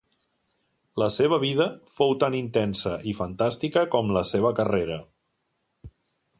La seva vida fou tan intensa i fantàstica com la seva carrera.